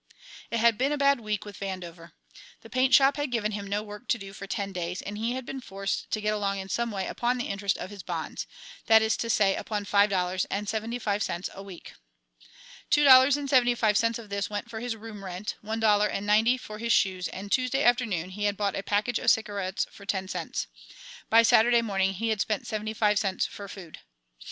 It had been a bad week with Vandover. The paint shop had given him no work to do for ten days, and he had been forced to get along in some way upon the interest of his bonds that is to say, upon five dollars and seventy five cents a week. Two dollars and seventy five cents of this went for his room rent, one dollar and ninety for his shoes, and Tuesday afternoon he had bought a package of cigarettes for ten cents. By Saturday morning he had spent seventy five cents for food.